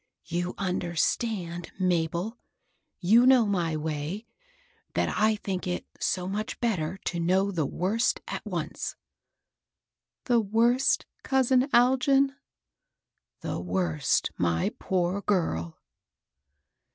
" You understand, Mabel ? You know my way, — that I think it so much better to know the worst at once." " The worsts cousin Algin ?"" The worst, my poor girl."